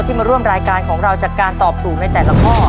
มาร่วมรายการของเราจากการตอบถูกในแต่ละข้อ